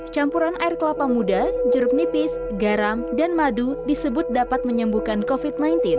campuran air kelapa muda jeruk nipis garam dan madu disebut dapat menyembuhkan covid sembilan belas